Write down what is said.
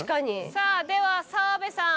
さぁでは澤部さん